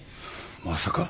まさか